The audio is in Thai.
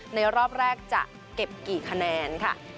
ในรอบแรกจะเก็บกี่คะแนนค่ะ